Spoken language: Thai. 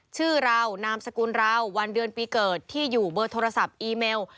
ชื่อเรานามสกุลเราวันเดือนปีเกิดที่อยู่เบอร์โทรศัพท์อีเมล